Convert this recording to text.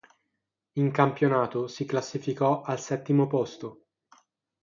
In campionato si classificò al settimo posto.